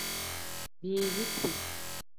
Biiziti.